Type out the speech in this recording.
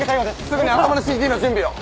すぐに頭のＣＴの準備を。